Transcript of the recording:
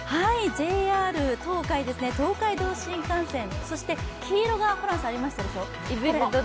ＪＲ東海、東海道新幹線、そして黄色がありましたでしょ？